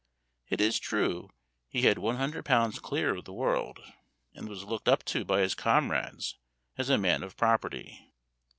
It is true, he had one hundred pounds clear of the world, and was looked up to by his comrades as a man of property.